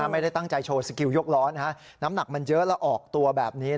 ไม่ได้ตั้งใจโชว์สกิลยกร้อนน้ำหนักมันเยอะแล้วออกตัวแบบนี้